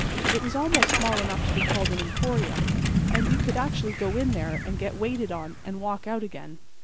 It was almost small enough to be called an emporium; and you could actually go in there and get waited on and walk out again.